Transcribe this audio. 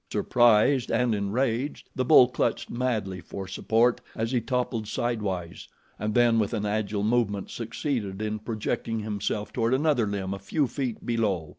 Surprised and enraged, the bull clutched madly for support as he toppled sidewise, and then with an agile movement succeeded in projecting himself toward another limb a few feet below.